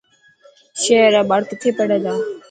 شهر را ٻاڙ کٿي پڙهي ٿا.